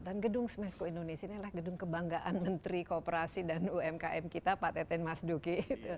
gedung semesko indonesia ini adalah gedung kebanggaan menteri kooperasi dan umkm kita pak teten mas duki